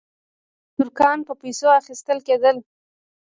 ترکان په پیسو اخیستل کېدل.